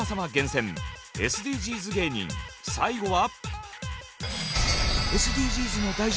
最後は。